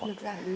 lược giản lý